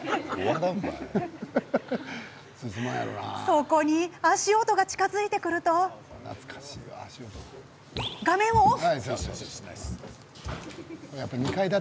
そこに、足音が近づいてくると画面をオフ。